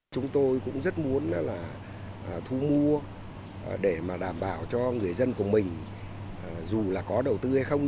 chúng tôi cũng rất muốn là thu mua để đảm bảo cho người dân của mình dù là có đầu tư hay không